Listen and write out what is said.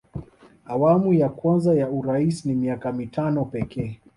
awamu ya kwanza ya urais ni miaka mitano pekee